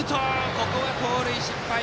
ここは盗塁失敗。